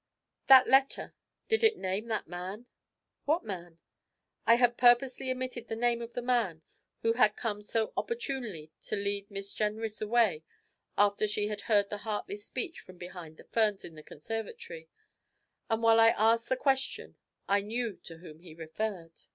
'That letter did it name that man?' 'What man?' I had purposely omitted the name of the man who had come so opportunely to lead Miss Jenrys away after she had heard the heartless speech from behind the ferns in the conservatory, and while I asked the question I knew to whom he referred.